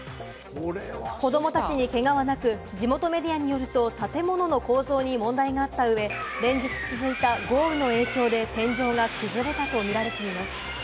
子供たちにけがはなく、地元メディアによると、建物の構造に問題があった上、連日続いた豪雨の影響で天井が崩れたと見られています。